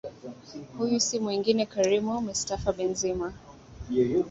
huyu si mwingine Karimu Mistafa Benzema